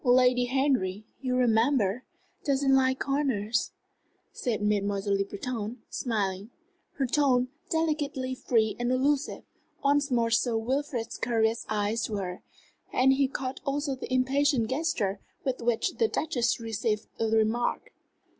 "Lady Henry, you'll remember, doesn't like corners," said Mademoiselle Le Breton, smiling. Her tone, delicately free and allusive, once more drew Sir Wilfrid's curious eyes to her, and he caught also the impatient gesture with which the Duchess received the remark.